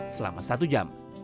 selama satu jam